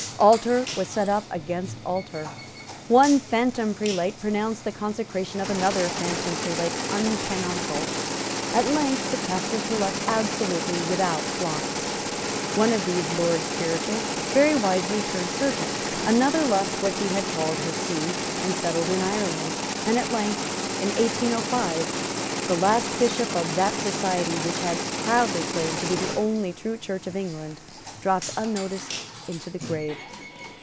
Altar was set up against altar. One phantom prelate pronounced the consecration of another phantom prelate uncanonical. At length the pastors were left absolutely without flocks. One of these Lords spiritual very wisely turned surgeon; another left what he had called his see, and settled in Ireland; and at length, in 1805, the last Bishop of that society which had proudly claimed to be the only true Church of England dropped unnoticed into the grave.